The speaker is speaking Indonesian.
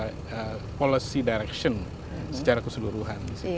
jadi kita harus ada policy direction secara keseluruhan